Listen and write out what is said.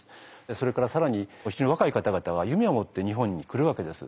それから更に非常に若い方々は夢を持って日本に来るわけです。